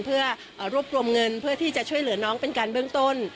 เพื่อรวบรวมเงินเพื่อที่จะช่วยเหลือน้องเป็นการเบื้องต้น